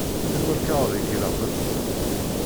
Anwa lkaɣeḍ i k-ilaqen?